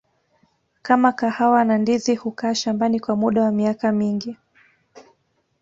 kama kahawa na ndizi hukaa shambani kwa muda wa miaka mingi